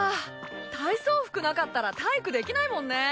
体操服なかったら体育できないもんね。